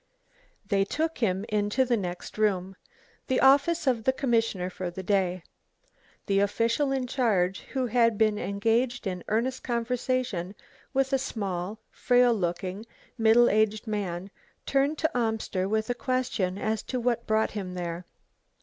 They took him into the next room, the office of the commissioner for the day. The official in charge, who had been engaged in earnest conversation with a small, frail looking, middle aged man, turned to Amster with a question as to what brought him there.